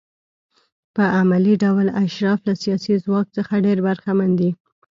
په عملي ډول اشراف له سیاسي ځواک څخه ډېر برخمن دي.